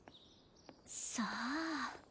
さあ？